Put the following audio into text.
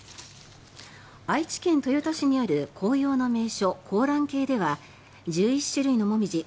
愛知県豊田市にある紅葉の名所、香嵐渓では１１種類のモミジ